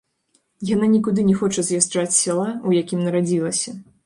Яна нікуды не хоча з'язджаць з сяла, у якім нарадзілася.